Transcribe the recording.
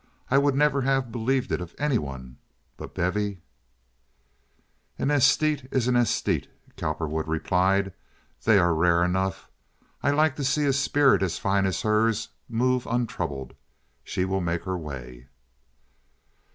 "I would never have believed it of any one. But Bevy—" "An esthete is an esthete," Cowperwood replied. "They are rare enough. I like to see a spirit as fine as hers move untroubled. She will make her way."